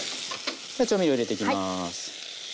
じゃあ調味料入れていきます。